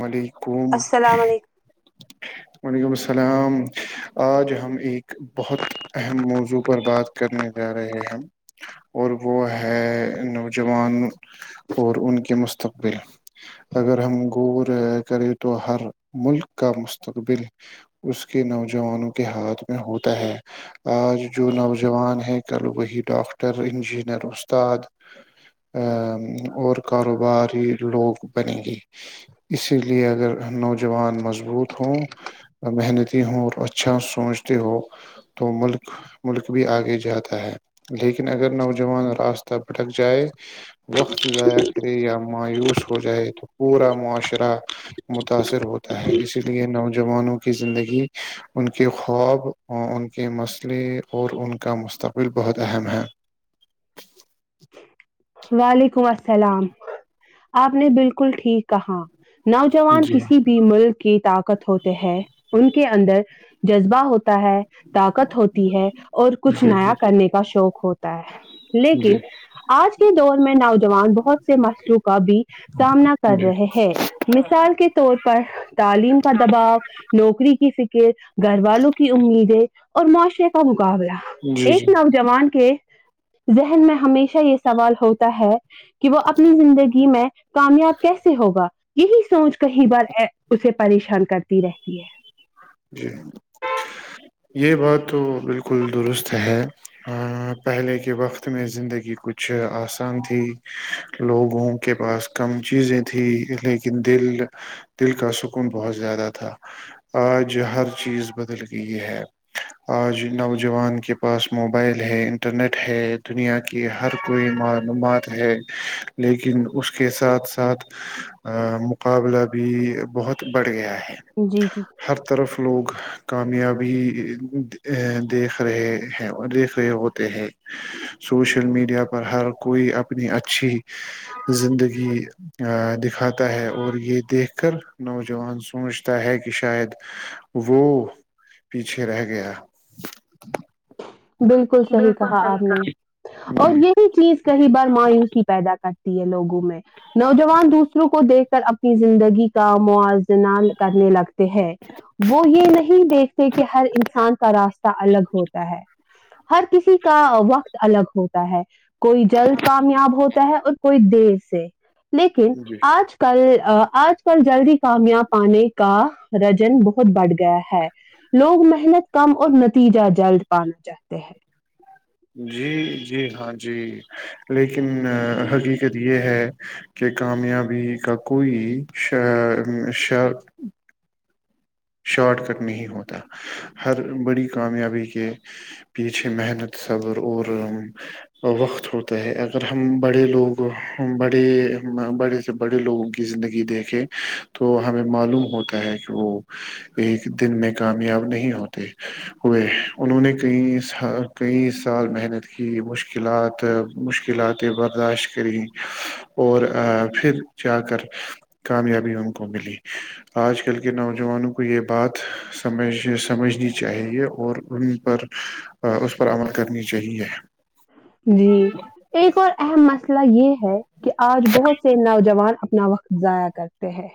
ملیی کو السلام علیکم وعلیکم السلام آج ہم ایک بہت اہم موضوع پر بات کرنے جا رہے ہیں اور وہ ہے نوجوان اور ان کے مستقبل اگر ہم کرے تو ہر ملک کا مستقبل اس کے نوجوانوں کے ہاتھ میں ہوتا ہے آج جو نوجوان ہے کل وہی ڈاکٹر انجینئر استاد ا اور کاروباری لوگ بنےیں گے اسی لیے اگر نوجوان مضبوط ہوں محنتی ہوں اور اچھا سوچتے ہو تو ملک ملک بھی آگے جاتا ہے لیکن اگر نوجوان راستہ بھٹک جائے وقت ضائع کرے یا مایوس ہو جائے تو پورا معاشرہ متاثر ہوتا ہے اسی لیے نوجوانوں کی زندگی ان کے خواب ان کے مسئلے اور ان کا مستقبل بہت اہم ہے وال ولیکم السلام آپ نے بالکل ٹھیک کہا نوجوان کسی بھی ملک کی طاقت ہوتے ہے ان کے اندر جذبہ ہوتا ہے طاقت ہوتی ہے اور کچھ جی نیا کرنے کا شوق ہوتا ہے لیک آج کے دور میں نوجوان بہت سے مشلو کا بھی سامنا کر رہے ہیں مثال کے طور پر تعلیم کا دباؤ نوکری کی فکر گھر والوں کی امیدیں اور معاشرے کا مقابلہ جی جی ایک نوجوان کے ذہن میں ہمیشہ یہ سوال ہوتا ہے کہ وہ اپنی زندگی میں کامیاب کیسے ہوگا یہی سوچ کیں بار اسے پریشان کرتی رہتی ہے جی یہ بات تو بالکل درست ہے پہلے کے وقت میں زندگی کچھ آسان تھی لوگوں کے پاس کم چیزیں تھی لیکن دل دل کا سکون بہت زیادہ تھا آج آج ہر چیز بدل گئی ہے آج نوجوان کے پاس موبائل ہے انٹرنیٹ ہے دنیا کی ہر کوئی معلومات ہے لیکن اس کے ساتھ ساتھ مقابلہ بھی بہت بڑھ گیا ہے جی جی ہر طرف لوگ کامیابی دیکھ رہے ہیں دیکھ رہے ہوتے ہیں سوشل میڈیا پر ہر کوئی اپنی اچھی زندگی دکھاتا ہے اور یہ دیکھ کر نوجوان سوچتا ہے کہ شاید وہ پیچھے رہ گیا بالکل صحیح کہا آپ نے کہا اور جی یہی چیز کئی بار مایوسی پیدا کرتی ہے لوگ میں نوجوان دوسروں کو دیکھ کر اپنی زندگی کا موازنہ کرنے لگتا ہیں وہ یہ نہیں دیکھتے کہ ہر انسان کا راستہ الگ ہوتا ہے ہر کسی کا وقت الگ ہوتا ہے کوئی جلد کامیاب ہوتا ہے اور کوئی دیر سے لیکن جی آج کل آج کل جلدی کامیاب پانے کا رجن بہت بڑھ گیا ہے لوگ محنت کم اور نتیجہ جلد پانا چاہتے ہیں جی جی ہاں جی لیکن حقیقت یہ ہے کہ کامیابی کا کوئی شا شارٹ کٹ نہیں ہوتا ہر بڑی کامیابی کے پیچھے محنت صبر اور وقت ہوتا ہے اگر ہم بڑے لوگ بڑے بڑے سے بڑے لوگوں کی زندگی دیکھیں تو ہمیں معلوم ہوتا ہے کہ وہ ایک دن میں کامیاب نہیں ہوتے ہوئے انہوں نے کئی کئی سال محنت کی مشکلات مشکلاتیں برداشت کری اور پھر جا کر کامیابی ان کو ملی آج کل کے نو نوجوانوں کو یہ بات سمج سمجھنی چاہیے اور ان پر اس پر عمل کرنی چاہیے جی ایک اور اہم مسئلہ یہ ہے کہ آج بہت سے نوجوان اپنا وقت ضائع کرتے ہیں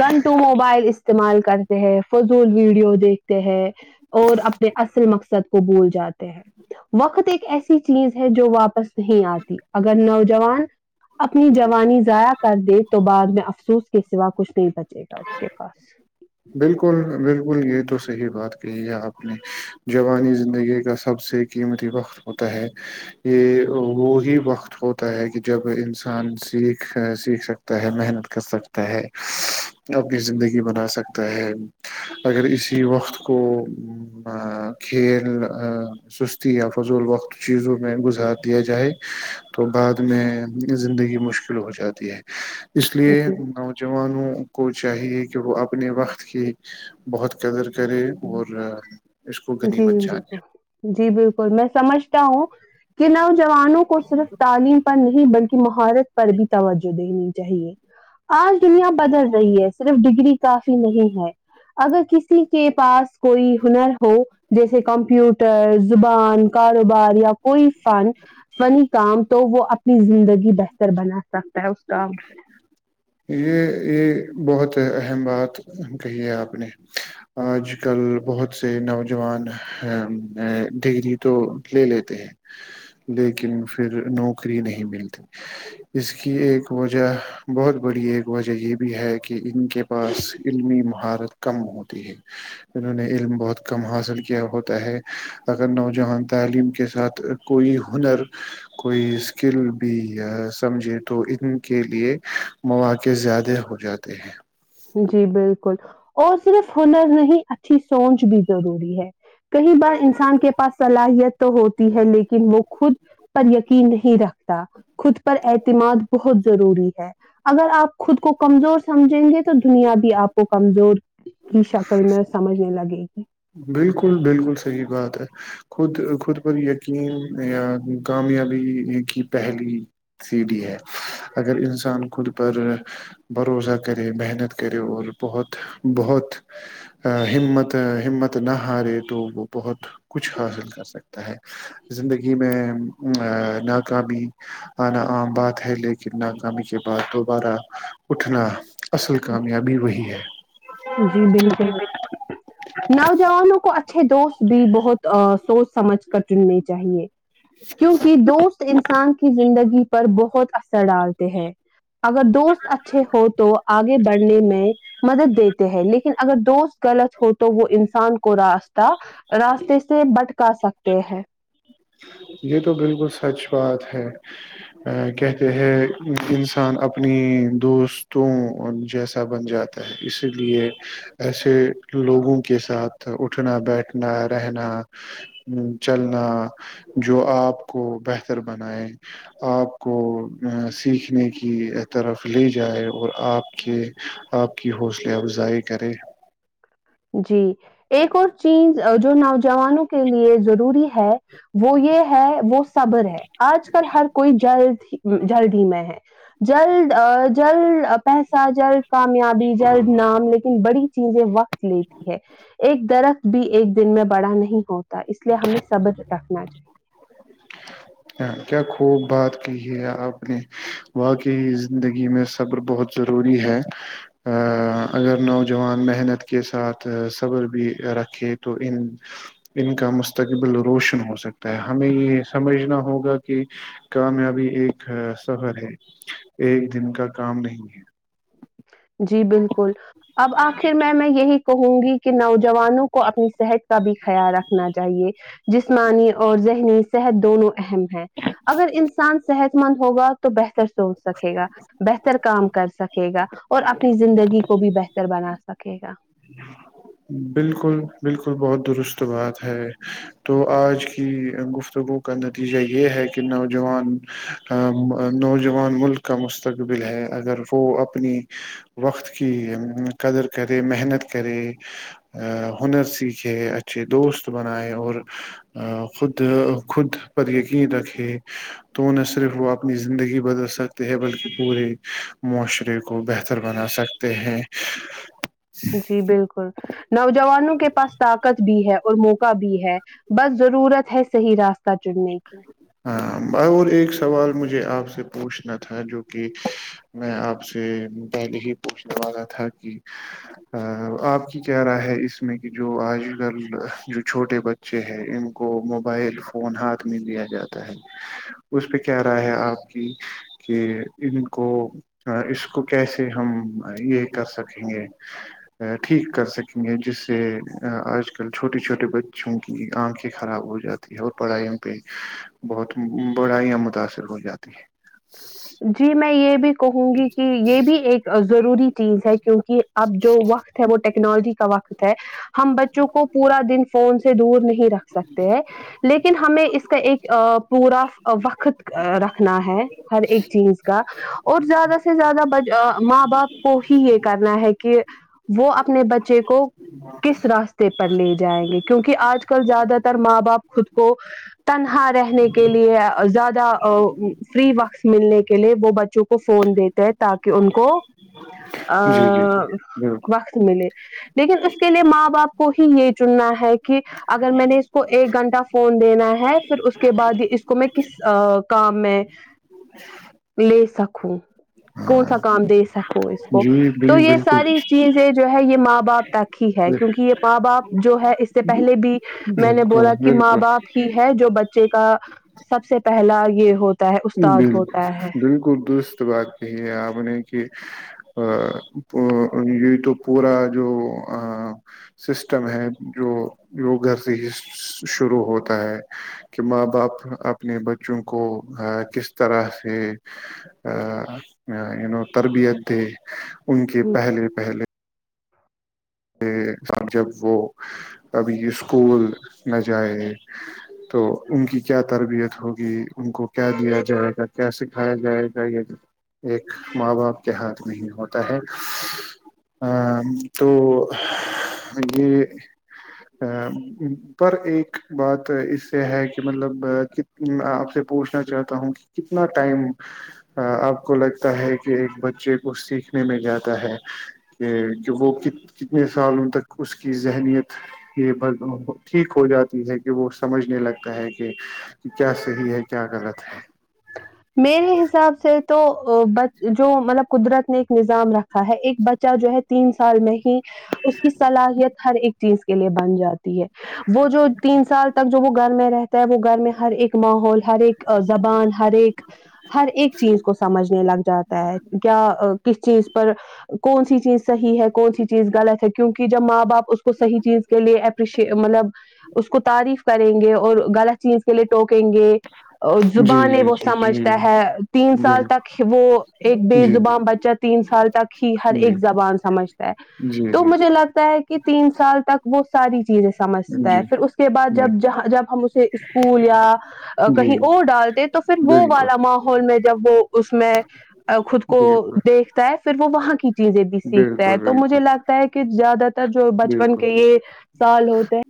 گن ٹو موبائل استعمال کرتے ہیں فضول ویڈیو دیکھتے ہے اور اپنے اصل مقصد کو بھول جاتے ہے وقتت ایک ایسی چیز ہے جو واپس نہیں آتی اگر نوجوان اپنی جوانی ضائع کر دے تو بعد میں افسوس کے سوا کچھ نہیں پتا بالکل بالکل یہی تو صحیح بات کہی ہے آپ نے جوانی زندگی کا سب سے قیمتی وقت ہوتا ہے یہ وہی وقت ہوتا ہے کہ جب انسان سیکھ سیکھ سکتا ہے محنت کر سکتا ہے اپنی زندگی بنا سکتا ہے اگر اسی وقت کو کھیل سستی یا فضول وقت چیزوں میں گزار دیا جائے تو بعد میں زندگی مشکل ہو جاتی ہے ہاں اس لیے نوجوانوں کو چاہیے کہ وہ اپنے وقت کی بہت قدر کرے اور اس کو جی غنیمت جانے بالکل جی بالکل میں سمجھتا ہوں کہناام جوانوں کو صرف تعلیم پر نہیں بلکہ مہارت پر بھی توجہ دینی چاہیے آج دنیا بدل رہی ہے صرف ڈگری کافی نہیں ہے اگر کسی کے پاس کوئی ہنر ہو جیسے کمپیوٹر زبان کاروبار یا کوئی فن فنی کام تو وہ اپنی زندگی بہتر بنا سک یہ یہ بہت اہم بات کہی ہے آپ نے آج کل بہت سے نوجوان ڈگری تو لے لیتے ہیں لیکن پھر نوکری نہیں ملتی اس کی ایک وجہ بہت بڑی ایک وجہ یہ بھی ہے کہ ان کے پاس علمی مہارت کم ہوتی ہے انہوں نے علم بہت کم حاصل کیا ہوتا ہے اگر نوجوان تعلیم کے ساتھ کوئی ہنر کوئی اسکل بھی سمجھے تو ان کے لیے مواقع زیادہ ہو جاتے ہیں جی بالکل اور صرف ہنر نہیں اچھی سوچ بھی ضروری ہے کئی بار انسان کے پاس صلاحیت تو ہوتی ہے لیکن وہ خود پر یقین نہیں رکھتا خود پر اعتماد بہت ضروری ہے اگر آپ خود کو کمزور سمجھیں گے تو تو دنیا بھی آپ کو کمزور کی شکل میں سمجھنے لگے گی بالکل بالکل صحی بات ہے خود خود پر یقین یا کامیابی کی پہلی سیڑھی ہے اگر انسان خود پر بھروسہ کرے محنت کرے اور بہت بہت ہمت ہمت نہ ہارے تو وہ بہت کچھ حاصل کر سکتا ہے زندگی میں ناکامی آنا عام بات ہے لیکن ناکامی کے بعد دوبارہ اٹھنا اصل کامیابی وہی ہے جی بالکل ج نوجوانوں کو اچھ دوست بھی بہت ا سوچ سمجھ کر چننے چاہیے کیونکہ دوست انسان کی زندگی پر بہت اثر ڈالتے ہیں اگر دوست اچھے ہو تو آگے بڑھنے میں مدد دیتے ہیں لیکن اگر دوست غلط ہو تو وہ انسان کو راست راستے سے بٹ کر سکتے ہیں یہ تو بالکل سچ بات ہے ا کہتے ہے انسان اپنی دوستوں جیسا بن جاتا ہے اسی لیے ایسے لوگوں کے ساتھ اٹھنا بیٹھنا رہنا چلنا جو آپ کو بہتر بنائے آپ کو سیکھنے کی طرف لے جائے اور آپ کے آپ کی حوصلہ افزائی کرے جی ایک اور چیز جو نوجوانوں کے لیے ضروری ہے وہ یہ ہے وہ صبر ہے آج کل ہر کوئی جلد جلد ہی میں ہے جلد جلد پیسہ جلد کامیابی جلد نام لیکن بڑی چیزیں وقت لیتی ہے ایک درخت بھی ایک دن میں بڑا نہیں ہوتا اس لیے ہمیں سبر ت ن ج [inaudible] کیا خوب بات کی ہے آپ نے واقعی زندگی میں صبر بہت ضروری ہے اگر نوجوان محنت کے ساتھ صبر بھی رکھے تو ان ان کا مستقبل روشن ہو سکتا ہے ہمیں یہ سمجھنا ہوگا کہ کامیابی ایک سفر ہے ایک دن کا کام نہیں ہے جی بالکل اب آخر میں میں یہی کہوں گی نوجوانوں کو اپنی صحت کا بھی خیال رکھنا چاہیے جس جسمانی اور ذہنی صحت دونوں اہم ہے اگر انسان صحت مند ہوگا تو بہتر سوچ سکے گا بہتر کام کر سکے گا اور اپنی زندگی کو بھی بہتر بنا سک سکے گا بالکل بالکل بہت درست بات ہے تو آج کی گفتگو کا نتیجہ یہ ہے کہ نوجوان نوجوان ملک کا مستقبل ہے اگر وہ اپنی وقت کی قدر کرے محنت کرے ا ہنر سیکھے اچھے دوست بنائے اور خود خود پر یقین رکھے تو نہ صرف وہ اپنی زندگی بدل سکتے ہیں بلکہ پورے معاشرے کو بہتر بنا سکتے ہیں جی بالکل ہچ نوجوانوں کے پاس طاقت بھی ہے اور موقع بھی ہے بس ضرورت ہے صحیح راستہ چننے کی ہاں باہ ایک سوال مجھے آپ سے پوچھنا تھا جو کہ میں آپ سے پہلے ہی پوچھنے والا تھا کہ آپ کی کیا رائے ہے اس میں کہ جو آج کل جو چھوٹے بچے ہے ان کو موبائل فون ہاتھ میں دیا جاتا اس پہ کیا رائے ہے آپ کی کہ ان کو اس کو کیسے ہم یہ کر سکیں گے ٹھیک کر سکیں گے جس سے آج کل چھوٹے چھوٹے بچوں کی آنکھیں خراب ہو جاتی ہے اور پڑھائیوں پہ بہت بڑھائییا متاثر ہو جاتی ہے جی میں یہ بھی کہوں گی کہ یہ بھی ایک ضروری چیز ہے کیونکہ اب جو وقت ہے وہ ٹیکس ٹیکنالوجی کا وقت ہے ہم بچوں کو پورا دن فون سے دور نہیں رکھ سکتے ہیں لیکن ہمیں اس کا ایک پورا وقت رکھنا ہے ہر ایک چیز کا اور زیادہ سے زیادہ ماں باپ کو ہی یہ کرنا ہے کہ کہ وہ اپنے بچے کو کس راستے پر لے جائیں گے کیونکہ آج کل زیادہ تر ماں باپ خود کو تنہا رہنے کے لیے زیادہ فری وقت ملنے کے لیے وہ بچوں کو فون دیتے تاکہ ان کو جی جی جی وقت ملے لیکن اس کے لیے ماں باپ کو یہ چننا ہے کہ اگر میں نے اس کو ایک گھنٹہ فون دینا ہے پھر اس کے بعد اس کو میں کس کام میں لے سک خیں کون سا کام دے سکو اس کو تو یہ بالکل ساری جی چیزیں جو ہے یہ ماں باپ تک ہی ہے بال کیونکہ یہ ماں باپ جو ہے اس سے پہلے بھی میں نے بالکل بولا کہ ماں بالکل بالکل باپ ہی ہے جو بچے کا سب سے پہلا یہ ہوتا ہے استاد بالکل ہوتا ہے بالکل درست بات یہی ہے آپ نے کہ ا یہ تو پورا جو سسٹم ہے جو وگھر سے ہی شروع ہوتا ہے کہ ماں باپ اپنے بچوں کو کس طرح سے ا ی نو تربیت دے ان کے ہوں پہلے پہلے سامچ وہ ابھی اسکول نہ جائے تو ان کی کیا تربیت ہوگی ان کو کیا دیا جائے گا کیا سکھایا جائے گا یہ ایک ماں باپ کے ہاتھ میں ہوتا ہے ا تو یہ پر ایک بات اس سے ہے کہ مطلب آپ سے پوچھنا چاہتا ہوں کہ کتنا ٹائم آپ کو لگتا ہے کہ ایک بچے کو سیکھنے میں جاتا ہے کہ کہ وہ کتنے سالوں تک اس کی ذہنیت یہ ٹھیک ہو جاتی ہے کہ وہ سمجھنے لگتا ہے کہ کیا صحیح ہے کیا غلط ہے میرے حساب سے تو ا جو مطلب قدرت نے ایک نظام رکھا ہ ایک بچہ جو ہے تین سال میں ہی اس کی صلاحیت ہر ایک چیز کے لیے بن جاتی ہے وہ جو تین سال تک وہ گھر میں رہتا ہے وہ گھر میں ہر ایک ماحول ہر ایک زبان ہر ایک چیز کو سمجھنے لگ جاتا ہے کیا کس چیز پر کون سی چیز صحیح ہے کون سی چیز غلط ہے کیونکہ جب ماں باپ اس کو صحیح چیز کے لیے اپریشی مطلب اس کو تعریف کریں گے اور غلط چیز کے لیےٹو کہیں گے اور جی زبانیں جی سمجھتا جی ہے تین سال تک وہ ایک بے جی زبان بچہ تین سال تک ہی ہر ایک زبان سمجھتا ہے بالکل جی جی تو جی مجھے لگتا ہے کہ تین سال تک وہ ساری چیزیں سمجھتا ہے جی پھر اس کے بعد جی جب ج جب ہم اسے اسکول یا کہیں جی اور ڈالتے پھر جی وہ والا بالکل ماحول میں جب وہ اس میں خود کو بالکل دیکھتا ہے پھر وہ وہاں کی چیزیں بھی سیکھتا ہے بالکل تو مجھے بالکل لگتا ہے کہ زیادہ تر جو بچپن بالکل کے یہ سال ہوتے ہیں